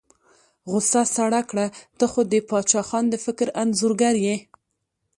غوسه سړه کړه، ته خو د باچا خان د فکر انځورګر یې.